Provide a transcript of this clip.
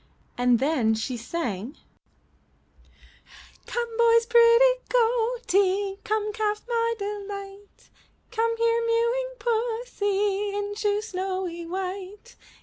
And then she sang: "Come, boy's pretty goatie. Come, calf, my delight. Come here, mewing pussie, In shoes snowy white.